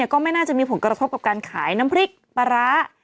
ก็ไม่น่าจะมีผลกระทบกับการขายน้ำพริกปลาร้า